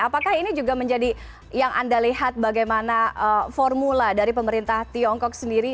apakah ini juga menjadi yang anda lihat bagaimana formula dari pemerintah tiongkok sendiri